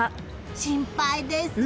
心配です。